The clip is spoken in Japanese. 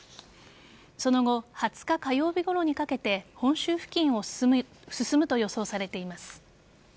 その後２０日火曜日ごろにかけて本州付近を進むと予想されています。